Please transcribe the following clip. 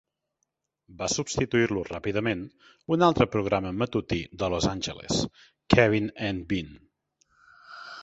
Va substituir-lo ràpidament un altre programa matutí de Los Angeles, 'Kevin and Bean'.